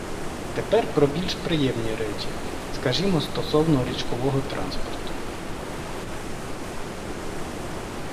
Тепер про більш приємні речі, скажімо, стосовно річкового транспорту.